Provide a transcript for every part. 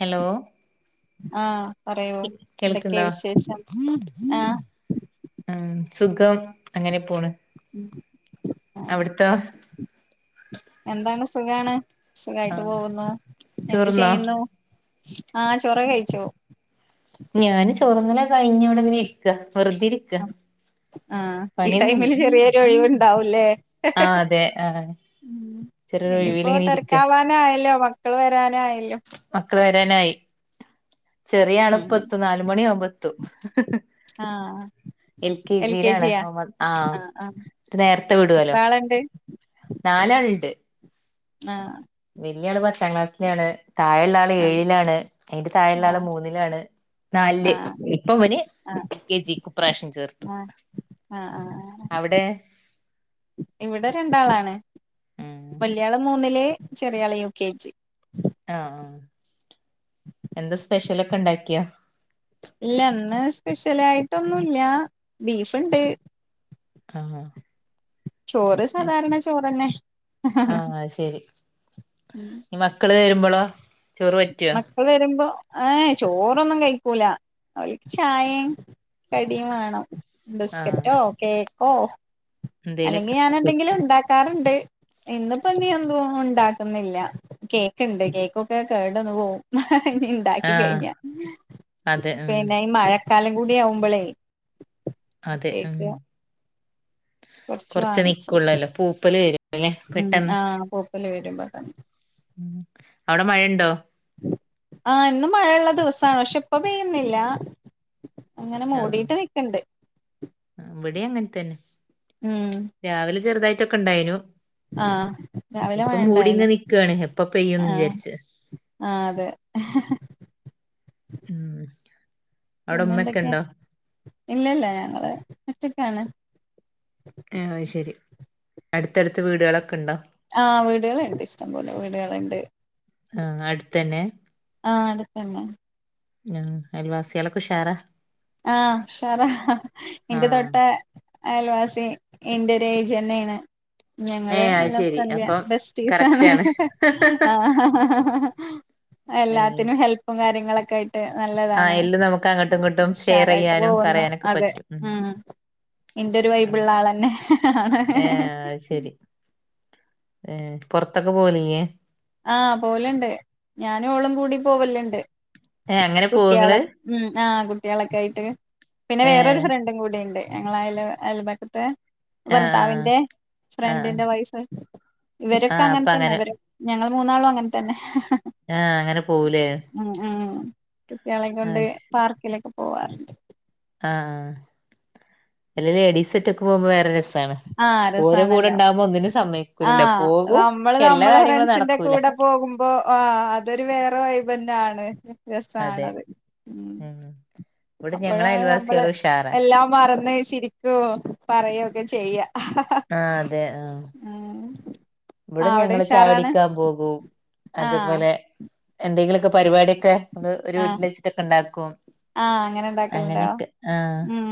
Hello ആഹ് പറയു എന്തൊക്കെ കേൾക്ക്ണ്ടോ വിശേഷം ആഹ് ഉം സുഖം അങ്ങനെ പോണ്. ഉം അവിടൊത്തോ എന്താണ് സുഖാണ് സുഖായിട്ട് ആഹ് പോകുന്നു എന്ത് ചോറ്ന്നോ ചെയ്യുന്നു? ആഹ് ചോറെക്കെ കഴിച്ചു. ഞാന് ചോറു തിന്നലൊക്കെ കഴിഞ്ഞ് ഇവിടെ ഇങ്ങനെ ഇരിക്കാ വെറുതെ ഇരിക്കാ ആഹ് ഈ ടൈമില് ചെറിയൊരു ഒഴിവുണ്ടാവൂല്ലേ ആഹ് അതെ ആഹ് ഉം ചെറിയൊരു ഒഴിവില് ഇനിയിപ്പോ ഇങ്ങനെ ഇരിക്ക തെരക്കാവാനായല്ലോ മക്കള് വരാനായല്ലോ മക്കള് വരാനായി ചെറിയ ഉം ആളിപ്പം എത്തും നാല് മണി ആവുമ്പ എത്തും ആഹ് ആഹ് എൽ കെ ജി യി ലാണ് മുഹമ്മദ് ആഹ് ന്നിട്ട് നേരത്തെ എത്ര വിടുവല്ലോ ആളുണ്ട് നാലാള്ണ്ട് ആഹ് വല്യ ആള് പത്താം ക്ലാസ്സിലാണ് താഴെയുള്ള ആള് ആഹ് ഏഴിലാണ് അയിന്റെ താഴെയുള്ള ആള് ആഹ് മൂന്നിലാണ്. നാലില് ആഹ് ഇപ്പം ഇവന് ആഹ് കെ ജി ക്ക് ഇപ്രാവശ്യം ചേർത്തു. ആഹ് ആഹ് ആഹ് അവിടെ ഇവിടെ രണ്ടാളാണ്. ഉം വല്യാള് മൂന്നില് ചെറിയാള് യു കെ ജി ആഹ് ആഹ് എന്താ സ്പെഷ്യലൊക്കെ ഉണ്ടാക്കിയോ? ഇല്ല ഇന്ന് സ്പെഷ്യലായിട്ടൊന്നും ഇല്ല ബീഫ്ണ്ട് ആഹ് ചോറ് സാധാരണ ചോറന്നെ ആണ്. ആഹ് അത് ശെരി ഇനി മക്കള് വരുമ്പൊളോ ചോറ് പറ്റുവോ? ക്കള് വരുമ്പോ ഏയ് ചോറൊന്നും കയിക്കൂല അവർക്ക് ചായേം കടിം വേണം ആഹ് ബിസ്കറ്റോ കേക്കോ അല്ലെങ്കിൽ ഞാൻ എന്തേലൊക്കെ എന്തെങ്കിലും ഉണ്ടാക്കാറുണ്ട് ഇന്ന് ഇപ്പം ഇനി എന്തുവാ ഉണ്ട ക്കുന്നില്ല കേക്ക് ഇണ്ട് കേക്കൊക്കെ കേട് വന്ന് പോവും ഇണ്ടാക്കി ആഹ് കഴിഞ്ഞാ അതെ ഉം പിന്നെ ഈ മഴക്കാലം കൂടി ആവുമ്പളേ അതെ ഉം കേക്ക് കൊറച്ച് വാങ്ങിച്ച് നിക്കുള്ളല്ലോ പൂപ്പല് വരുംല്ലേ ഉം പെട്ടെന്ന് ആഹ പൂപ്പല് വെരും പെട്ടന്ന് ഉം അവിടെ മഴണ്ടോ ആഹ ഇന്ന് മഴള്ള ദിവസാണ് പക്ഷെ ഇപ്പ പെയ്യുന്നില്ല അങ്ങനെ മൂടീട്ട് നിക്ക്ണ്ട് ഇവിടെം അങ്ങനെ തന്നെ ഉം രാവിലെ ചെറുതായിട്ടൊക്കെ ഇണ്ടായിനു ആഹ് രാവിലെ മഴ ഇപ്പം ഇണ്ടായിന്നു മൂടിങ്ങ് നിക്കാണ് എപ്പം പെയ്യുംന്ന് ആഹ് വിചാരിച്ച് ആഹ് അതെ ഉം അവിടെ ഉമ്മക്കെ പിന്നെന്തൊക്കെ ഉണ്ടോ ഇല്ലല്ല ഞങ്ങള് ഒറ്റക്കാണ് ഏഹ് അത്ശരി അടുത്തടുത്ത് വീടാളൊക്കെ ഇണ്ടോ ആഹ് വീടാളുണ്ട് ഇഷ്ടംപോലെ വീടാള്ണ്ട് ആഹ് അടുത്തെന്നെ ആഹ് അടുത്തെന്നെ ഉം അയൽവാസ്യാളൊക്കെ ഉഷാറാ ആഹ് ഉഷാറ ഇന്റെ ആഹ് തൊട്ട അയൽവാസി ഇന്റൊരേജന്നേണ് ഞങ്ങള് ഏഹ് അത് നല്ല ശെരി ഫ്രഡ്ലിയാ അപ്പം ബെസ്റ്റീസാണ് കറക്റ്റാണ് ഏഹ് എല്ലാത്തിനും ഹെൽപ്പും കാര്യങ്ങളൊക്കെ ആയിട്ട് ആഹ് നല്ലതാണ് എല്ലും നമുക്ക് അങ്ങട്ടും ഇങ്ങട്ടും ഷെയർ ഉഷാറായിട്ട് ചെയ്യാനും പോവുന്നു പറയാനൊക്കെ അതെ പറ്റും ഉം ഇന്റെ ഒരു ആഹ് വൈബിള്ള ആളെന്നെ ആണ് ഏഹ് അത് ശെരി ഏഹ് പൊറത്തൊക്കെ പോവലില്ല്യേ ആഹ് പോവല്ണ്ട് ഞാനും ഓളും കൂടി പോവല്ണ്ട് ഏഹ് അങ്ങനെ പോവോ കുട്ട്യാള് ഇങ്ങള് ഉം ആഹ് കുട്ട്യാളൊക്കെ ആയിട്ട് പിന്നെ വേറൊരു ഏഹ് ഫ്രണ്ടും കൂടിണ്ട് ഞങ്ങളെ അയല് അയൽബകത്തെ ആഹ് ഭർത്താവിന്റെ ആഹ് ഫ്രണ്ടിന്റെ വൈഫ് ഇവരൊക്കെ ആഹ് അങ്ങനെ അപ്പൊ തന്നെ ഇവര് ഞങ്ങൾ മൂന്നാളും അങ്ങന് തന്നെ ആഹ് അങ്ങനെ പോവുലേ ഉം ഉം കുട്ട്യാളെ കൊണ്ട് ശെ പാർക്കിലൊക്കെ പോവാറുണ്ട് ആഹ് അല്ലെ ലേഡീസൊറ്റക്ക് പോവ്മ്പൊ വേറെ രസാണ് ആഹ് ഓരെ കൂടെ രസാണല്ലോ ഇണ്ടാമ്പോ ഒന്നിനും സമ്മയിക്കൂലല്ലോ ആഹ് പോകും നമ്മള് പക്ഷെ എല്ലാ കാര്യങ്ങളും നടക്കൂല അപ്പ ആഹ് അതൊരു വേറെ വൈബെന്നെ ആണ് അതെ രസാണത് ഉം ഇവിടെ ഞങ്ങളെ അപ്പോഴാണ് അയൽവാസികൾ നമ്മള് ഉഷാറാ എല്ലാ മറന്ന് ചിരിക്കും പറയൊക്കെ ചെയ്യ ആഹ് അതെ ഉം ഇവിടെ ആഹ് അവിടെ ഞങ്ങള് ഉഷാറാണ് ചായുടിക്കാൻ പോകും ആഹ് അത്പോലെ എന്തെങ്കിലുക്കെ പരിപാടി ഒക്കെ നമ്മള് ഒരു ആഹ് വീട്ടിൽ വെച്ചിട്ടൊക്കെ ഇണ്ടാക്കും ആഹ് അങ്ങനെ അങ്ങനെ ഇണ്ടാക്കലുണ്ടോ ഒക്കെ ആഹ ഉം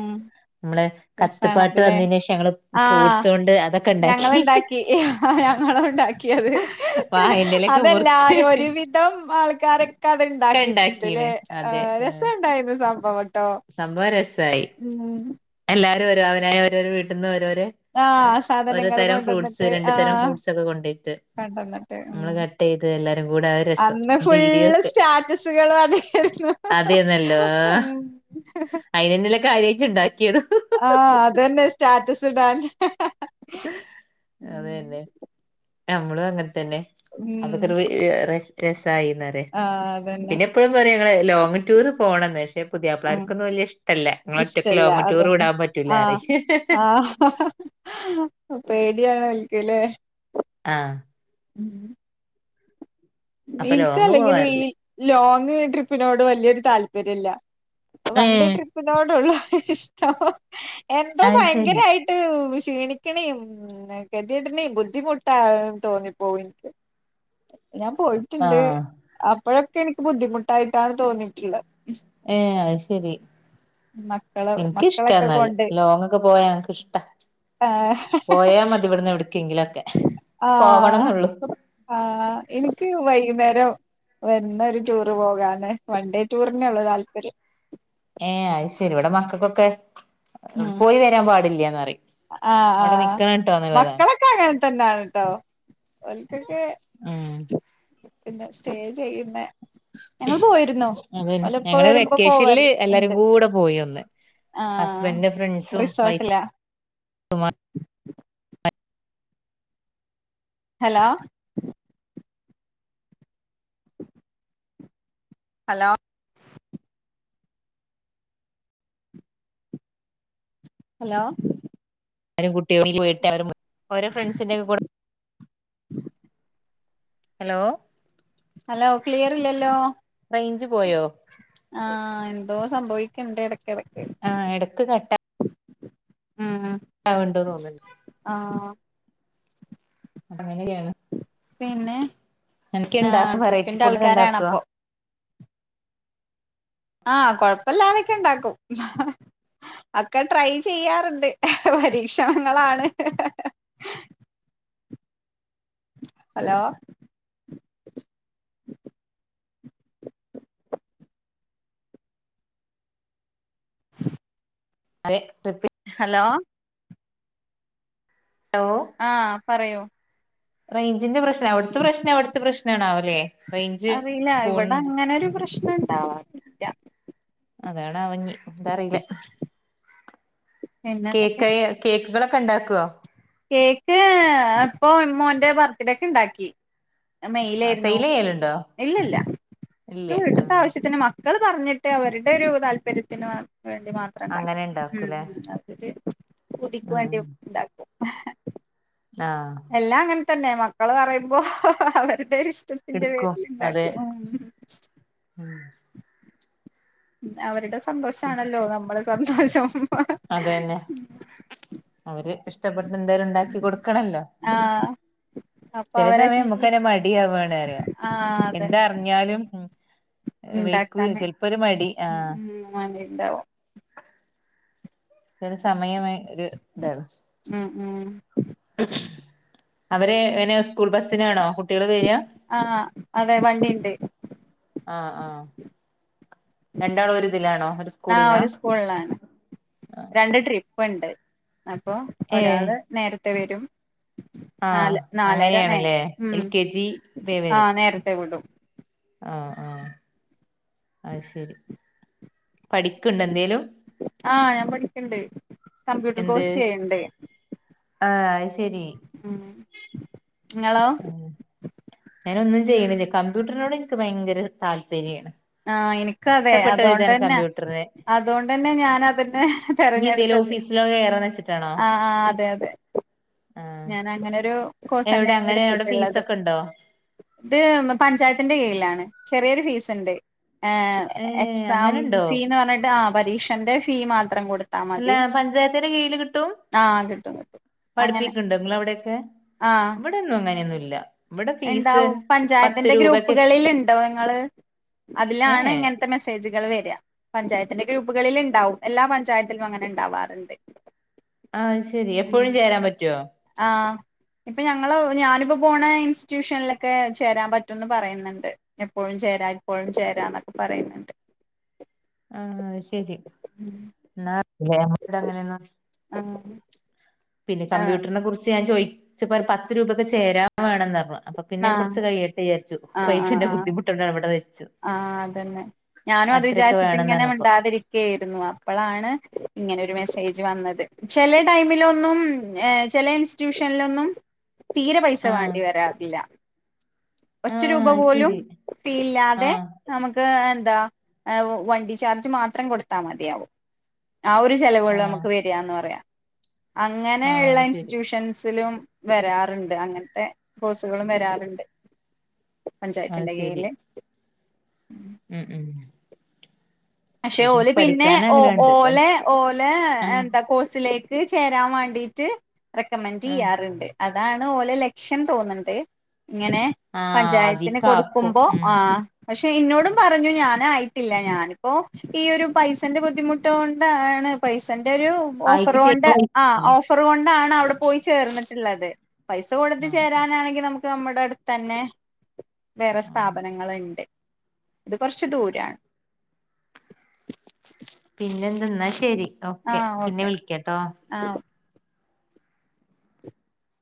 നമ്മള് കത്ത്പ്പാട്ട് രസാണത് ല്ലേ വന്നേന്റെഷം ഞങ്ങള് ഫ്രൂട്സോണ്ട് അതൊക്കെ ഇണ്ടാക്കി ഞങ്ങള്ണ്ടാക്കി ആഹ് ഞങ്ങളുണ്ടാക്കിയത് വാഴന്റെലൊക്കെ മുറിച്ച് അതെല്ലാരും ഒരു വിധ വിധം ആൾക്കാരൊക്കെ അത് ഒക്കെ ഇണ്ടാക്കിയിട്ടുണ്ട്ല്ലേ ഉണ്ടാക്കീണ് അതെ രസംണ്ടായിരുന്നു സംഭവട്ടോ സംഭവം രസായി [inaudible] എല്ലാരും ഒരുരോ അവനായ രോ വീട്ടീന്ന് രോര് ആഹ് ഒരു സാധനങ്ങള് തരം ഫ്രൂട്ട്സ് കൊണ്ടന്നിട്ട് രണ്ടു തരം ആഹ് ഫ്രൂട്ട്സ് ഒക്കെ കൊണ്ടയിട്ട് കൊണ്ടന്നിട്ട് ഉം നമ്മള് കട്ടയ്ത എല്ലാരും കൂടെ ആ രസം അന്ന് ഫുള്ള് പീടിയൊക്കെ സ്റ്റാറ്റസുകളും അതായിരുന്നു അതേന്നല്ലോ ആഹ് ഉം അയിന്ന്നെല്ല കാര്യയിട്ട് ഉണ്ടാക്കിയത് ആഹ് അതന്നെ സ്റ്റാറ്റസ് ഇടാനേ അതന്നെ നമ്മളും അങ്ങൻതന്നെ ഉം അതൊക്കെ ഒരു രസായിന്ന് ആഹ് അതന്നെ പിന്നെ എപ്പഴും പറയാ ങ്ങള് ലോങ്ങ് ടൂർ പോണന്ന് പക്ഷെ ഉം പുതിയപ്പള്ളേർക്കൊന്നും വലിയ ഇഷ്ട അത്തല്ല ഇങ്ങളോറ്റക്ക് ഇഷ്ടല്ല ലോങ്ങ്‌ ടൂർ അതന്നെ ഇടാൻ പറ്റൂലറി പേടിയണ നൽക്കലേ ആഹ് ഉം ഉം അപ്പൊ ലോങ് ഇനിക്കല്ലെങ്കിലും ഈ പോവാറില്ല ലോങ് ട്രിപ്പിനോട് വലിയൊരു താല്പര്യല്ല ഏ വണ്ടെ ട്രിപ്പിനോടുള്ളൂ ഇഷ്ട്ടം എന്തോ അത് ശരി ഭയങ്കരയിട്ട റ്റ് ക്ഷീണിക്കണേ കതിയിടണേ ബുദ്ധിമുട്ടാന്ന് തോന്നിപ്പോ എനിക്ക് പോയിട്ടുണ്ട് ആ അപ്പോഴൊക്കെ എനിക്ക് ബുദ്ധിമുട്ടായിട്ടാണ് തോന്നിട്ടുള്ളത് ഏഹ് അത് ശരി മക്കള് ഇനിക്കിഷ്ടാ മക്കളെക്കെ എന്നാല് കൊണ്ട് ലോങ്ങൊക്കെ പോയാ എനക്ക് ഇഷ്ടാ ആഹ് പോയാ മതി ഇവിടുന്ന് എവിടക്കെങ്കിലൊക്കെ ആഹ് പോവണംന്നുള്ളു ആഹ് എനിക്ക് വൈകുന്നേരം വരുന്ന ഒരു ടൂറ് പോകാന് വൺ ഡേ ടൂറിനെ ഉള്ളൂ താല്പര്യം ഏഹ് അ യ്ശരി ഇവിടെ മക്കൾക്കൊക്കെ ഉം പോയി വരാൻ പാടില്ലന്ന് പറേം ആഹ് ആഹ് മക്കളൊക്കെ അങ്ങനെ തന്നെയാണ് ട്ടോ ഓൽക്കൊക്കെ ഉം പിന്നെ സ്റ്റേ ചെയ്യുന്ന ഞങ്ങൾ പോയിരുന്നു അതന്നെ ഓലിപ്പോ ഞങ്ങള് വരുമ്പോ വെക്കേഷനില് പോവല് എല്ലാരും ഇണ്ട് കൂടെ പോയി ഒന്ന് ആഹ് ഹസ്ബന്ഡന്റെ ഫ്രണ്ട്സും വൈഫും റിസോർട്ടിലാ [inaudible] ഹലോ [inaudible] ഹലോ ഹലോ അവരും കുട്ടികട്ട അവ ഓരോ ഫ്രണ്ട്സിന്റെ ഒക്കെ കൂ ഹലോ ഹലോ ക്ലിയർ ഇല്ലല്ലോ റൈഞ്ച് പോയോ ആഹ് എന്തോ സംഭവിക്കണ്ട് ഇടക്കടക്ക് ആഹ് എടക്ക് കട്ട ഉം ആണ്ടോ തോന്നിണ്ട് ആഹ് അങ്ങനെയാണ് പിന്നെ ആ ഇണ്ടാക്കും വെറൈറ്റി ട്രിപ്പിന്റെ ഫുഡ് ഒക്കെ ഇണ്ടാക്കോ ആൾക്കാരാണപ്പൊ ആഹ കൊഴപ്പില്ലാതൊക്കെ ഇണ്ടാക്കും. ഒക്കെ ട്രൈ ചെയ്യാറുണ്ട്. പരീക്ഷണങ്ങളാണ്. ഹഹ ഹലോ അതെ ടേപ്പ് ഹലോ ഹലോ ആ പറയു റേഞ്ചിന്റെ പ്രശ്നം അവിടുത്തെ പ്രശ്നം അവിടുത്തെ പ്രശ്ന ആണ അല്ലേ? അറിയില്ല ഇവിടെ അങ്ങനെരു പ്രശ്നുണ്ടവണം. അതാണ് അവങ്ങി എന്താ അറിയില്ല പിന്നെ എന്തൊക്കെ കേക്കയ കേക്കുകളൊക്കെ ഉണ്ടാക്കേ? കേക്ക് അപ്പൊ മോന്റെ ബർത്ത്ഡേ ഒക്കെ ഉണ്ടാക്കി. ആ മെയിലായിരുന്നു സെയിൽ ചെയ്യലുണ്ടോ ഇല്ലല്ല ഇല്ല ഇ ആ അടുത്ത ആവശ്യത്തിന് മക്കൾ പറഞ്ഞിട്ട്. മ അവരുടെ ഒരു താല്പര്യത്തിന് വേണ്ടി മാത്രം അങ്ങനെ ഉണ്ടാക്കൂലേ അതൊരു കുതിക്ക് വേണ്ടി ഉണ്ടാക്കും ആ എല്ലാം അങ്ങനെ തന്നെ മക്കള് പറയുമ്പോ അവരുടെ ഒരു ഇഷ്ടത്തിന്റെ എടുക്കും പേരിൽ അതെ ഉണ്ടാക്കുണു. [inaudible] അവരുടെ സന്തോഷാണല്ലോ നമ്മളീം സന്തോഷം അത തന്നെ അവര് ഇഷ്ടപ്പെടുന്ന എന്തേലും ഉണ്ടാക്കി കൊടുക്കണല്ല ആഹ് അപ്പൊ ചെല അവരെ സമയം ചിരി നമുക്ക്ന്നെ മടിയവാണ് ആഹ് എന്താ അതന്നെ പഞ്ഞാലും വയ്ക്കൂ ചെലപ്പോൊ രു മടി ആ മ്മമ്മാ ന്റെ ഉണ്ടാവും. ത സമയമേഒരു ഇതാണ്. ഉം ഉം അവര് പിനെ സ്കൂൾ ബസിനാണോ ആഹ് അതെ വണ്ടിണ്ട് ആ ആ ഒരു ആഹ് സ്കൂളിലാ ഒരു സ്കൂളിലാണ് രണ്ട് ട്രി പ്പണ്ട് ഏഹ് ഒരാള് നേരത്തെ വരും. ആഹ് നല് നാലര നേ അങ്ങനെയാണല്ലേ ഉം എൽ കെ ജി ആ നേരത്തെേ വിടും. ആഹ ആ അഹ് ശരി പഠിക്ക്ണ്ടൊ എന്തേലും? ആ ഞാൻ പഠിക്കണ്ട് കമ്പ്യൂട്ടർ എന്ത് കോഴ്സ് ചെയ്യ്ണ്ട്. ആഹ് ശരി ഉം ഇങ്ങളോ? ഞാനൊന്നും ചെയ്യ്ണില്ല കമ്പ്യൂട്ടറിനോട് എനിക്ക് ഭയങ്കര താല്പര്യാണ്. ആഹ് എനിക്ക് അതെ ഇഷ്ടപ്പെട്ട ഒരിതാണ് അതോണ്ടെ ന്നെ. കമ്പ്യൂട്ടറിന് അതോണ്ടന്നെ ഞാൻ അതനെ ഇനി എന്തേലും തെരഞ്ഞെടുത്തത്. ഓഫീസിലോ കേറാന്ന് വെച്ചിട്ടാണോ ആഹ് ആ അതെ അതെ ആഹ് ഞാൻ അങ്ങനെരു കോഴ്സ് എവിടെ ന്നെയാണ് അങ്ങനെ അവിടെ എടുത്തിട്ടുള്ളത്. ഫീസൊക്കെ ഉണ്ടോ ഇത് പഞ്ചായത്തിന്റെ കീഴിലാണ് ചെറിയൊരു ഫീസ്ണ്ട്. ഏഹ് എക്സാം അങ്ങനുണ്ടോ ഫീ എന്ന് പറഞ്ഞിട്ട് ആ പരീക്ഷന്റെ ഫീ മാത്രം കൊട് ല്ല പഞ്ചായത്തിന്റെ കീഴിൽ കിട്ടും ആ കിട്ടും കിട്ടും പഠിപ്പിക്ക്ണ്ടോ അവിടെൊക്കെ? ഹാ ഇവിടെൊന്നും അങ്ങനെയൊന്നും ഇല്ല. ഇണ്ടാവും പഞ്ചായത്തിന്റെ ഗ്രൂപ്പുകളില് ണ്ടോ നിങ്ങള്. ഏ അതിലാണ് ഏ ഇങ്ങൻ തമെസേജുകള് വെരാ പഞ്ചായത്തിന്റെ ഗ്രൂപ്പുകളില്ണ്ടാവും. എല്ലാ പഞ്ചായത്തിലും അങ്ങനെണ്ടാവാറ്ണ്ട്. ആഹ് അയ്ശെരി എപ്പോഴും ചേരാൻ പറ്റൊ ആഹ് ഇപ്പം ഞങ്ങള് ഞാനിപ്പോ പോണ ഇൻസ്റ്റ്യൂഷൻലൊക്കെ ചേരാൻ പറ്റുംന്ന് പറയുന്ന്ണ്ട്. എപ്പോഴും ചേരാ ഇപ്പോഴും ചേരാ ന്നൊക്കെ പറയുന്ന്ണ്ട്. ആഹ് അയ്ശെരി, ന്നാ [unintelligible] ങ്ങനെയൊന്നും അങ്ങനെ പിന്നെ കമ്പ്യൂട്ടർനെ കുറിച്ച് ഞാൻ ചോയിച്ചപ്പോ പത്ത് രൂപക്ക് ചേരാൻ വേണംന്നർഞ്ഞു അപ്പൊ പിന്നെ ആഹ് കൊർച്ച് കഴിയട്ടെ വിയാര്ച്ചു. ആഹ് ആഹ് പൈസന്റെ ആഹ് ബുദ്ധിമുട്ടൊണ്ട് അവടെ വെച്ചു. ആഹ്, അതന്നെ ഞാനും അത് അത്രയൊക്കെ വേണംന്ന് വിചാരിച്ചിട്ട്ങ്ങനെ പറഞ്ഞപ്പോ മിണ്ടാതിരി കേയ്രുന്നു, അപ്പളാണ് ഇങ്ങനെ ഒരു മെസ്സേജ് വന്നത്. ചെലെ ടൈമിലൊന്നും ഏഹ് ചെലെ ഇൻസ് ട്യൂഷൻലൊന്നും തീരെ പൈസ ആഹ് വാണ്ടി വരാറില്ല. ഒറ്റ ആഹ് രൂപ അത് പോലും ശെരി ഫീയില്ലാ ആഹ് നമുക്ക് എന്താ ഏഹ് വണ്ടി ചാർജ് മാത്രം കൊട്ത്താ മതിയാവും. ആ ഒരു ചെലവൊള്ളു ആഹ് അമ്മക്ക് വെരാന്ന് പറയാ ആഹ് അങ്ങനെള്ള അത് ശെരി ഇൻസ്റ്റ്യൂഷൻസിലും വെരാറ്ണ്ട് അങ്ങൻത്തെ ഫോസുകളും വെരാറ്ണ്ട്. അത് പഞ്ചായത്തിന്റെ ശെരി കീഴില് ഉം, ഉം പക്ഷെ ഓല് ഇതെനിക്ക് പിന്നെ പഠിക്കാൻ ഓഹ് ആഗ്രഹണ്ട് ഓലേ പൈസ ഓഹ് ലേ ആഹ് എന്ത കോസിലേക്ക് ചേരാൻ വാണ്ടീട്ട് ഉം റെക്കമെൻ്റെയ്യാറ്ണ്ട്. അതാണ് ഓലെ ലക്ഷ്യം തോന്ന്ണ്ട്. ഇങ്ങെനെ ആഹ് പഞ്ചായത്തിന് അതിക്കാക്കും കൊടുക്കുമ്പോ ഉം ആഹ് പക്ഷെ ഇന്നോടും പറഞ്ഞു ഞാനായിട്ടില്ല ഞാനു ഓഹ്, ഈയൊരു പൈസേന്റെ ബുദ്ധിമുട്ടൊണ്ടാണ് പൈസന്റൊരു അയിക്ക് ചെയ് ഓഫറുകൊണ്ട് ആഹ് ഓഫർ കൊണ്ടാണ് അവെടെ പോയി ചേർന്ന്ട്ട്ള്ളത്. പൈസ കൊടുത്ത് ചേ ആഹ് രാനാണെങ്കി നമുക്ക് നമ്മുടെ അടുത്തന്നെ വേറെ സ്ഥാപനങ്ങള്ണ്ട്. ഇത് കൊറെച്ച് ദൂരാണ്. പിന്നെ എന്താ ന്നാ ശെരി ആ ഓക്കെ പിന്നെ ഓക്കെ വിളിക്കാട്ടോ. ആ